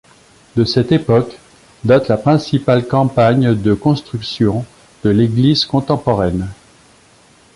De cette époque date la principale campagne de construction de l'église contemporaine.